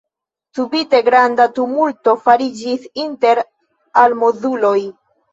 Subite granda tumulto fariĝis inter almozuloj.